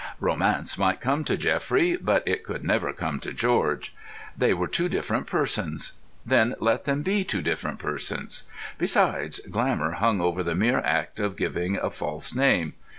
Romance might come to Geoffrey, but it could never come to George. They were two different persons; then let them be two different persons. Besides, glamour hung over the mere act of giving a false name.